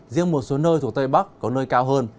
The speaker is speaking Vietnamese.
riêng một số nơi thuộc tây bắc có nơi cao hơn